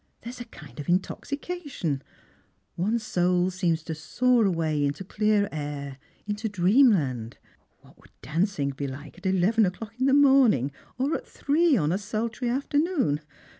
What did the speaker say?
There is a kind of intoxication : one's soul seems to soar away into clearer air, into dreamland. What would dancing be like at eleven o'clock in the morning, or at three on a sultry afternoon?